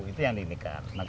itu yang diindikan